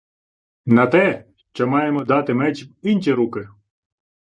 — На те, що маємо дати меч в инчі руки.